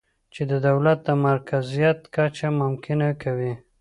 چې د دولت د مرکزیت کچه ممکنه کوي